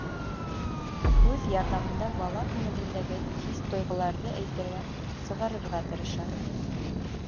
Һүҙ ярҙамында бала күңелендәге хис-тойғоларҙы әйтергә, сығарырға тырыша.